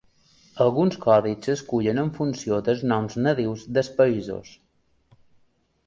Alguns codis s'escullen en funció dels noms nadius dels països.